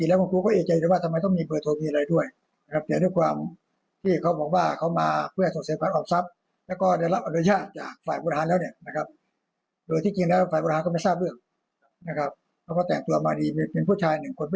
แอบตั้งนี้แหละนะครับเอาได้ไปให้ทำ